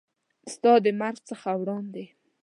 ستا د مرګ څخه وړاندې